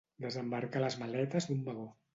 Desembarcar les maletes d'un vagó.